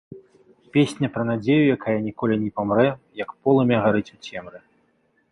Песня пра надзею, якая ніколі не памрэ, як полымя гарыць у цемры.